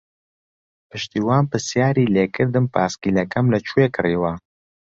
پشتیوان پرسیاری لێ کردم پایسکلەکەم لەکوێ کڕیوە.